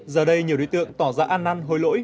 giờ đây nhiều đối tượng tỏ ra ăn năn hối lỗi